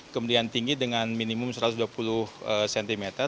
kemudian tinggi dengan minimum satu ratus dua puluh cm